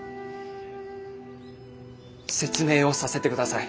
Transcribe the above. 説明をさせてください。